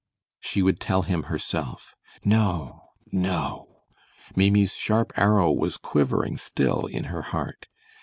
She would tell him herself. No! No! Maimie's sharp arrow was quivering still in her heart.